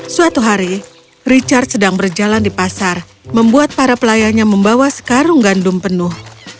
suatu hari richard sedang berjalan di pasar membuat para pelayannya membawa sekarung gandum penuh